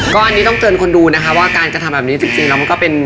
ก็อันนี้ต้องเตือนคนดูนะคะว่าการกระทำแบบนี้จริงแล้วมันก็เป็น